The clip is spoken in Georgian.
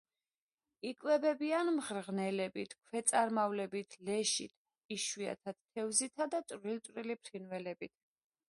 იკვებებიან მღრღნელებით, ქვეწარმავლებით, ლეშით, იშვიათად თევზითა და წვრილ-წვრილი ფრინველებით.